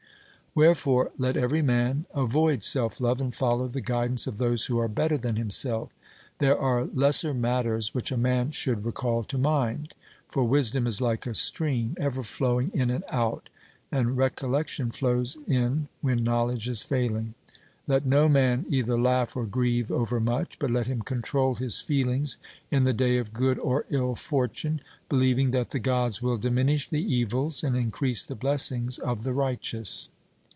Wherefore let every man avoid self love, and follow the guidance of those who are better than himself. There are lesser matters which a man should recall to mind; for wisdom is like a stream, ever flowing in and out, and recollection flows in when knowledge is failing. Let no man either laugh or grieve overmuch; but let him control his feelings in the day of good or ill fortune, believing that the Gods will diminish the evils and increase the blessings of the righteous.